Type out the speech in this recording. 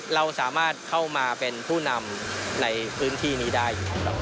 เราสามารถเข้ามาเป็นผู้นำในพื้นที่นี้ได้อยู่